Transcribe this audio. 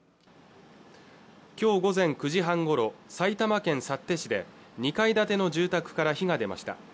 きょう午前９時半ごろ埼玉県幸手市で２階建ての住宅から火が出ました